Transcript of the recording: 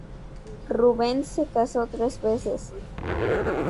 Rubens se casó tres veces.